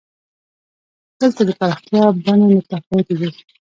دلته د پراختیا بڼې متفاوتې دي.